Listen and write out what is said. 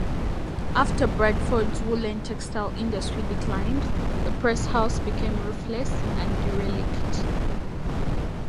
After Bradford's woollen textile industry declined, the Press House became roofless and derelict.